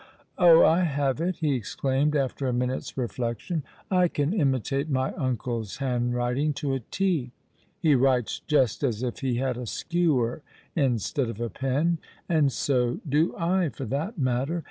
Oh! I have it!" he exclaimed, after a minute's reflection. "I can imitate my uncle's handwriting to a t. He writes just as if he had a skewer instead of a pen—and so do I, for that matter.